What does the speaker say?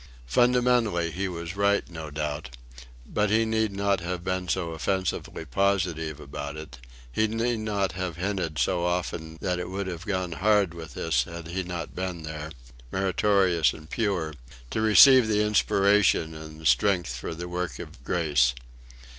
Fundamentally he was right, no doubt; but he need not have been so offensively positive about it he need not have hinted so often that it would have gone hard with us had he not been there, meritorious and pure, to receive the inspiration and the strength for the work of grace.